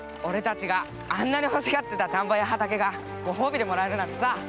俺たちがあんなに欲しがってた田畑がご褒美でもらえるなんて。